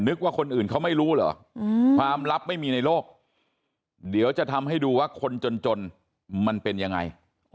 ว่าคนอื่นเขาไม่รู้เหรอความลับไม่มีในโลกเดี๋ยวจะทำให้ดูว่าคนจนมันเป็นยังไง